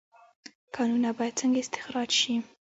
کانونه باید څنګه استخراج شي؟